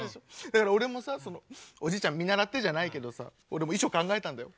だから俺もさおじいちゃん見習ってじゃないけどさ俺も遺書考えたんだよ。